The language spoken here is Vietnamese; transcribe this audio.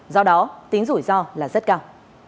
do đó tính rủi ro là rất cao